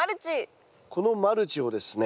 このマルチをですね